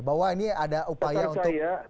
bahwa ini ada upaya untuk